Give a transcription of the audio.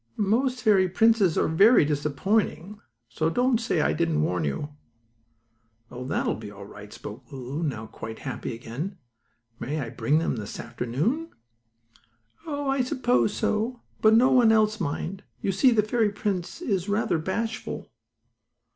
Most fairy princes are disappointing, so don't say I didn't warn you." "Oh, that will be all right," spoke Lulu, now quite happy again. "May I bring them this afternoon?" "Oh! I suppose so, but no one else, mind. You see the fairy prince is rather bashful."